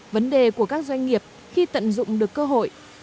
vấn đề của các doanh nghiệp khi tận dụng được cơ hội